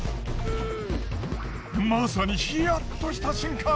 まさにヒヤッとした瞬間。